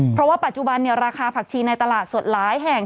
เพราะว่าปัจจุบันราคาผักชีในตลาดสดหลายแห่ง